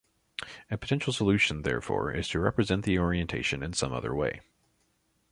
A potential solution therefore is to represent the orientation in some other way.